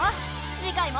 次回も。